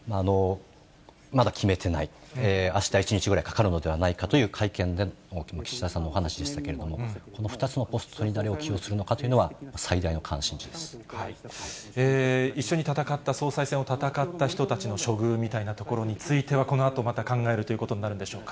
まだ決めてない、あした一日ぐらいかかるのではないかという会見で、岸田さんのお話しでしたけれども、この２つのポストに誰を起用するかというのは、一緒に戦った、総裁選を戦った人たちの処遇みたいなところについては、このあとまた考えるということになるんでしょうか。